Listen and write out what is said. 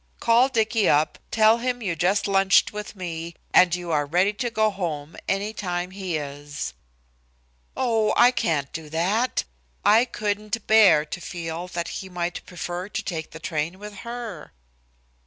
Call Dicky up, tell him you just lunched with me, and you are ready to go home any time he is." "Oh, I can't do that," I said. "I couldn't bear to feel that he might prefer to take the train with her."